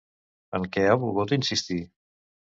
En què ha volgut insistir?